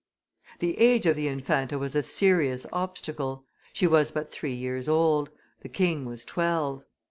The age of the Infanta was a serious obstacle; she was but three years old, the king was twelve.